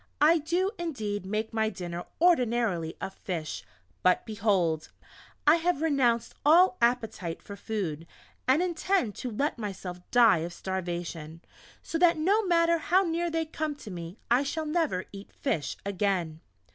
I do, indeed, make my dinner ordinarily of fish, but behold! I have renounced all appetite for food, and intend to let myself die of starvation; so that no matter how near they come to me I shall never eat fish again!"